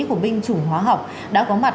của binh chủng hóa học đã có mặt